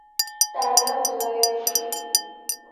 তার নাম Durayd bin ছম্মাহ।